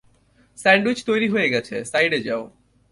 Sandwich তৈরি হয়ে গেছে, সাইডে যাও।